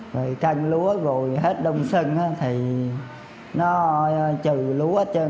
rồi căn lúa rồi hết đông sân thì nó trừ lúa hết trơn